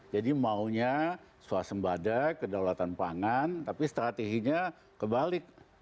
jadi maunya suasembada kedaulatan pangan tapi strateginya kebalik